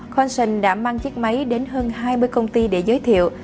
conson đã mang chiếc máy đến hơn hai mươi công ty để giới thiệu